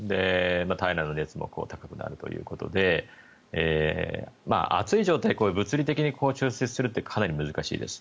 体内の熱も高くなるということで暑い状態、物理的に抽出するってかなり難しいです。